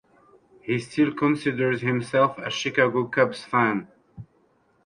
He still considers himself a Chicago Cubs fan.